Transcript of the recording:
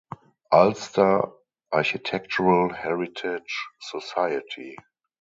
Ulster Architectural Heritage Society.